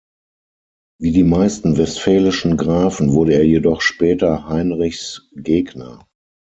Wie die meisten westfälischen Grafen wurde er jedoch später Heinrichs Gegner.